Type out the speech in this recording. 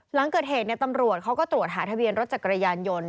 หลังเกิดเหตุตำรวจเขาก็ตรวจหาทะเบียนรถจักรยานยนต์